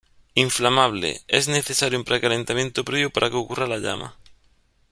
Inflamable: es necesario un precalentamiento previo para que ocurra la llama.